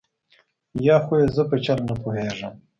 یا خو یې زه په چل نه پوهېږم.